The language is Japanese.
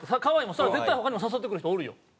それは絶対他にも誘ってくる人おるよ。